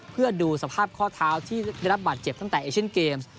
เพื่อดูสภาพข้อเท้าที่ได้รับบาดเจ็บตั้งแต่เอเชนเกมส์